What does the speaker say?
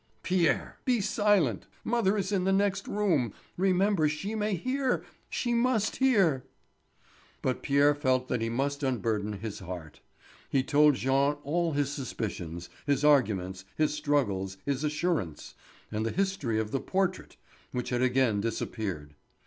"Pierre! Be silent. Mother is in the next room. Remember she may hear—she must hear." But Pierre felt that he must unburden his heart. He told Jean all his suspicions, his arguments, his struggles, his assurance, and the history of the portrait—which had again disappeared.